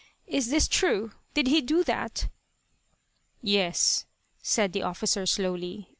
Is this true? Did he do that?" "Yes," said the officer slowly.